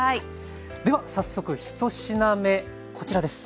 では早速１品目こちらです。